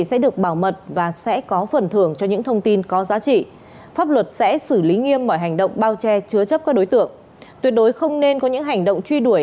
xin kính chào tạm biệt và hẹn gặp lại